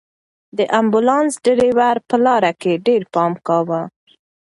د امبولانس ډرېور په لاره کې ډېر پام کاوه.